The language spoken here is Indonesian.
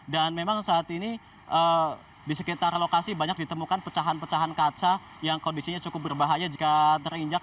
dan memang saat ini di sekitar lokasi banyak ditemukan pecahan pecahan kaca yang kondisinya cukup berbahaya jika terinjak